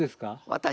私？